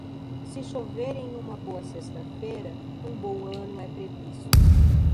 Se chover em uma boa sexta-feira, um bom ano é previsto.